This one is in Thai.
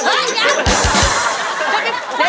เฮ้ยยัง